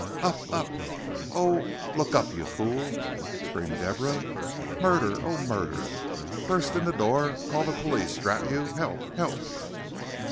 "Up up oh, look up, you fool!" screamed Deborah. "Murder oh, murder! Burst in the door, call the police, drat you! Help! help!"